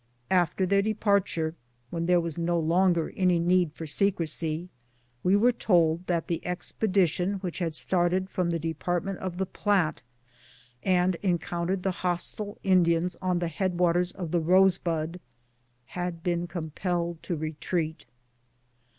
After their departure, when there was no longer any need for secrecy, we were told that the expedition which had started from the Department of tlie Platte, and encountered the hostile Indians on the head waters of the Rosebud, had been compelled to retreat.